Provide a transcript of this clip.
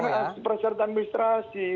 ini kan persyaratan administrasi